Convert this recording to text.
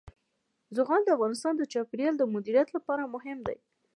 زغال د افغانستان د چاپیریال د مدیریت لپاره مهم دي.